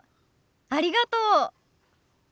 ありがとう。